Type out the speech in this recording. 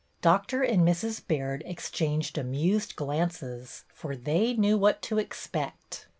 Doctor and Mrs. Baird exchanged amused glances, for they knew what to expect.